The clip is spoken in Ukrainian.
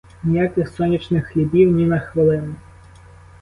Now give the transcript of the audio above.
Ніяких сонячних хлібів ні на хвилину!